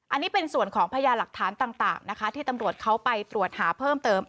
อันนี้เป็นส่วนของพญาหลักฐานต่างนะคะที่ตำรวจเขาไปตรวจหาเพิ่มเติม